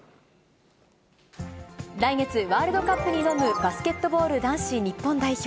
来月、ワールドカップに挑むバスケットボール男子日本代表。